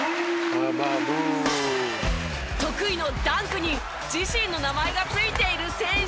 「ＢＡＢＡＢＯＯＭ」得意のダンクに自身の名前が付いている選手。